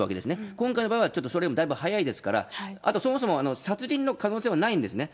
今回の場合は、ちょっとそれよりだいぶ早いですから、あと、そもそも殺人の可能性はないんですね。